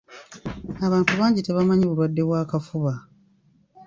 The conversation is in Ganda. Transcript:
Abantu bangi tebamanyi bulwadde bwa kafuba.